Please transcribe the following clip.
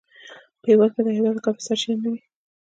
په هېواد کې د عایداتو کافي سرچینې نه وې.